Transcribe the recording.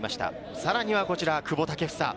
さらには久保建英。